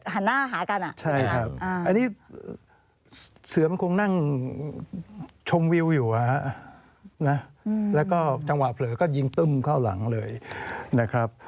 หันหน้าหากันใช่ไหมครับอันนี้เสือมันคงนั่งชมวิวอยู่แล้วก็จังหวะเผลอก็ยิงตึ้มเข้าหลังเลยนะครับ